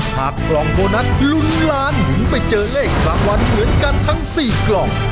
กล่องโบนัสลุ้นล้านถึงไปเจอเลขรางวัลเหมือนกันทั้ง๔กล่อง